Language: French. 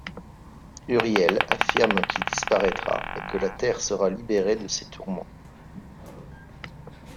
Uriel affirme qu'il disparaîtra et que la terre sera libérée de ses tourments.